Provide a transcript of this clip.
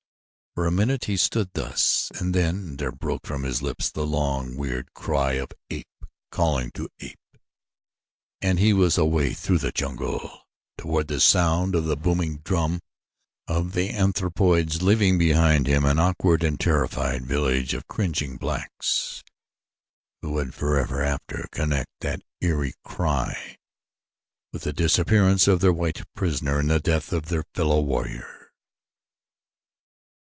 For a minute he stood thus and then there broke from his lips the long, weird cry of ape calling to ape and he was away through the jungle toward the sound of the booming drum of the anthropoids leaving behind him an awakened and terrified village of cringing blacks, who would forever after connect that eerie cry with the disappearance of their white prisoner and the death of their fellow warrior.